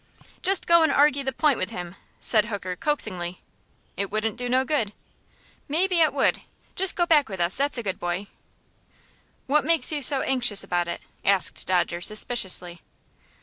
"Just go and argy the point with him," said Hooker, coaxingly. "It wouldn't do no good." "Maybe it would. Just go back with us, that's a good boy." "What makes you so anxious about it?" asked Dodger, suspiciously.